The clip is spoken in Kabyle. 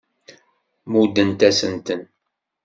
Muddent-asent-ten.